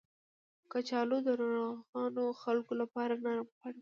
کچالو د ناروغو خلکو لپاره نرم خواړه دي